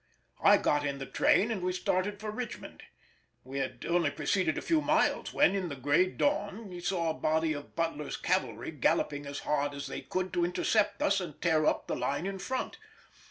I got in the train, and we started for Richmond. We had only proceeded a few miles when, in the gray dawn, we saw a body of Butler's cavalry galloping as hard as they could to intercept us and tear up the line in front.